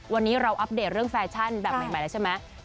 วันนี้เราอัปเดตเรื่องแฟชั่นแบบใหม่แล้วใช่ไหม